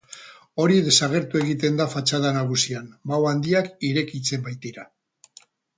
Hori desagertu egiten da fatxada nagusian, bao handiak irekitzen baitira.